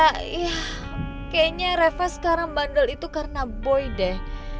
kayaknya reva sekarang bandel itu karena boy deh